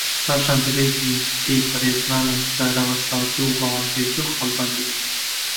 پاشان دەبێت گرنگی بدەیت بە ڕێزمان و زاراوەسازی و ڕەوانبێژی و خاڵبەندی